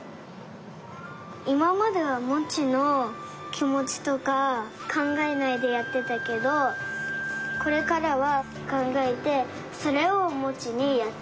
いままではモチのきもちとかかんがえないでやってたけどこれからはかんがえてそれをモチにやってあげる。